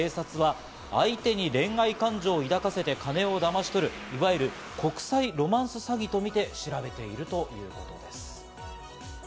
警察は、相手に恋愛感情を抱かせて、金をだまし取る、いわゆる国際ロマンス詐欺とみて調べているということです。